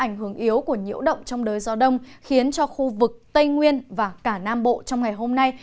ảnh hưởng yếu của nhiễu động trong đới gió đông khiến cho khu vực tây nguyên và cả nam bộ trong ngày hôm nay